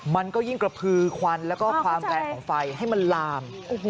มันก็ยิ่งกระพือควันแล้วก็ความแรงของไฟให้มันลาม